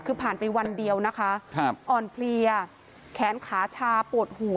คือผ่านไปวันเดียวนะคะอ่อนเพลียแขนขาชาปวดหัว